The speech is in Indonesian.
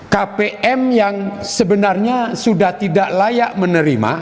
kpm yang sebenarnya sudah tidak layak menerima